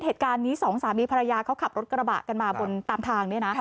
เหตุการณ์นี้สองสามีภรรยาเขาขับรถกระบะกันมาบนตามทางเนี่ยนะ